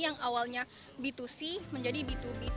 yang awalnya b dua c menjadi b dua b c